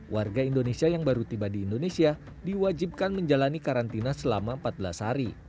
warga indonesia yang baru tiba di indonesia diwajibkan menjalani karantina selama empat belas hari